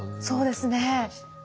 そうですね。